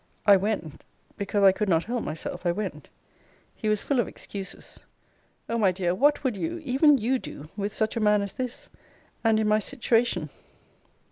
I went. Because I could not help myself, I went. He was full of excuses O my dear, what would you, even you, do with such a man as this; and in my situation?